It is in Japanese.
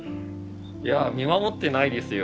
いや見守ってないですよ。